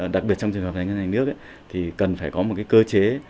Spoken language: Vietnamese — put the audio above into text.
đặc biệt trong trường hợp ngân hàng nước thì cần phải có một cái cơ chế